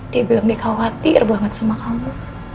dia bilang nih khawatir banget sama kamu